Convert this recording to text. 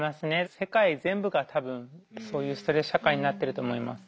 世界全部が多分そういうストレス社会になってると思います。